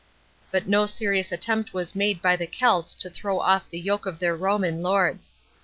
But no serious attempt was made by the Celts to throw off the yoke of their Roman lords.